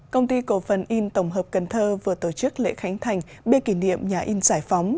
công ty cổ phần in tổng hợp cần thơ vừa tổ chức lễ khánh thành bê kỷ niệm nhà in giải phóng